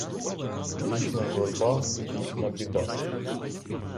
Вічна журба, вічна біда.